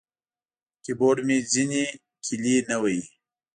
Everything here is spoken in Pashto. کیبورډ مې ځینې کیلي نه وهي.